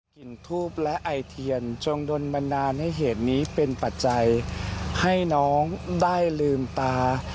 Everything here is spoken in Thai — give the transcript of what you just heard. กินทูบและไอเทียนจงโดนบันดาลให้เหตุนี้เป็นปัจจัยให้น้องได้ลืมตา